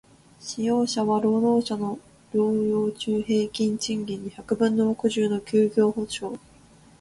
使用者は、労働者の療養中平均賃金の百分の六十の休業補償